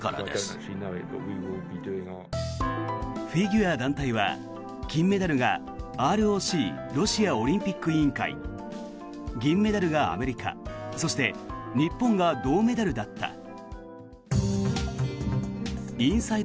フィギュア団体は金メダルがＲＯＣ・ロシアオリンピック委員会銀メダルがアメリカそして日本が銅メダルだった。